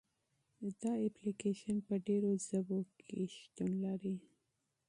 دا اپلیکیشن په ډېرو ژبو کې شتون لري.